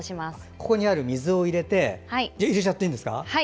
ここにある水を入れちゃっていいんですか。